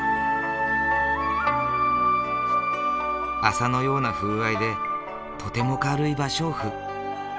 麻のような風合いでとても軽い芭蕉布。